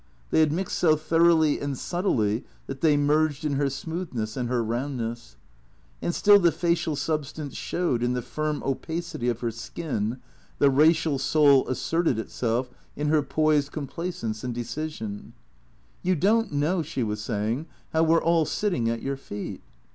They had mixed so thoroughly and subtly that they merged in her smooth ness and her roundness. And still the facial substance showed in the firm opacity of her skin, the racial soul asserted itself in her poised complacence and decision. " You don't know," she was saying, " how we 're all sitting at your feet."